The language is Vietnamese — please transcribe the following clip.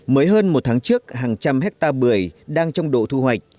mới hơn một tháng trước hàng trăm hectare bưởi đang trong độ thu hoạch